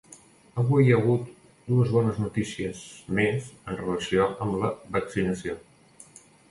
Avui hi ha hagut dues bones notícies més en relació amb la vaccinació.